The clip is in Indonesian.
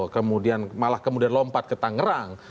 kemudian malah kemudian lompat ke tangerang